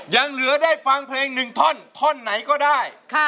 ยังเหลือได้ฟังเพลงหนึ่งท่อนท่อนไหนก็ได้